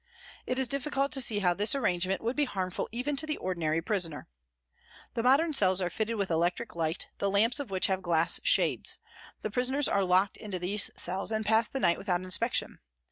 It is difficult to see how this arrangement would be harmful even to the ordinary prisoner. The modern cells are fitted with electric light, the lamps of which have glass shades. The prisoners are locked into these cells and pass the night without inspection.